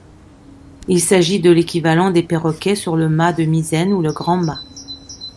Il s'agit de l'équivalent des perroquets sur le mât de misaine ou le grand-mât.